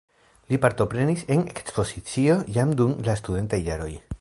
Li partoprenis en ekspozicio jam dum la studentaj jaroj.